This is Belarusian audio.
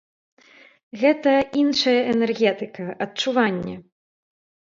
Гэта іншая энергетыка, адчуванне.